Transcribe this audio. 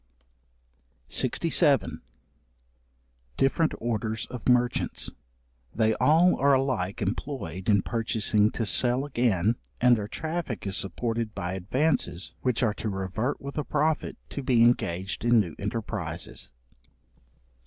§67. Different orders of Merchants. They all are alike employed in purchasing to sell again, and their traffic is supported by advances which are to revert with a profit, to be engaged in new enterprizes.